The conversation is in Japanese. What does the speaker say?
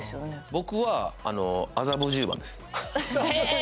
僕は麻布十番ですへえ！